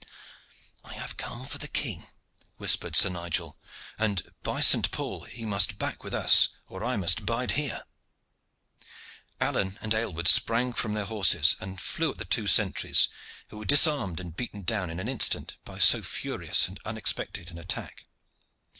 "I have come for the king," whispered Sir Nigel; "and, by Saint Paul! he must back with us or I must bide here." Alleyne and Aylward sprang from their horses, and flew at the two sentries, who were disarmed and beaten down in an instant by so furious and unexpected an attack.